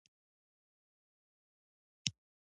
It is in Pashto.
شتمنو او د کړایي د غوښو شوقیانو!